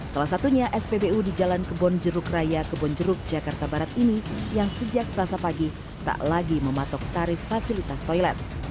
salah satunya spbu di jalan kebonjeruk raya kebonjeruk jakarta barat ini yang sejak selasa pagi tak lagi mematok tarif fasilitas toilet